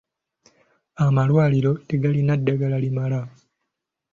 Amalwaliro tegalina ddagala limala.